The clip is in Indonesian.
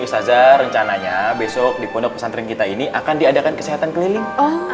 mustazah rencananya besok di pondok pesantren kita ini akan diadakan kesehatan keliling